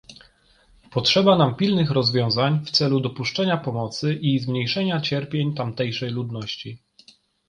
Potrzeba nam pilnych rozwiązań w celu dopuszczenia pomocy i zmniejszenia cierpień tamtejszej ludności